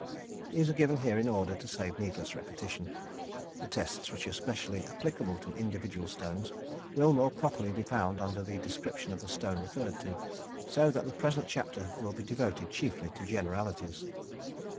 These are given here in order to save needless repetition; the tests which are specially applicable to individual stones will more properly be found under the description of the stone referred to, so that the present chapter will be devoted chiefly to generalities.